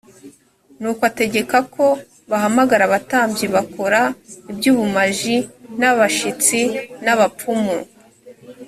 nuko ategeka ko bahamagara abatambyi bakora iby ubumaji l n abashitsi n abapfumu